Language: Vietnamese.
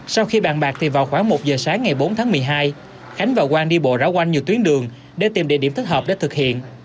sau khi bàn bạc thì vào khoảng một giờ sáng ngày bốn tháng một mươi hai khánh và quang đi bộ rão quanh nhiều tuyến đường để tìm địa điểm thích hợp để thực hiện